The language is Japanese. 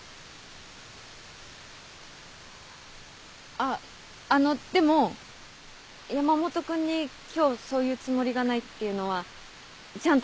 あっあのでも山本君に今日そういうつもりがないっていうのはちゃんと分かってるから。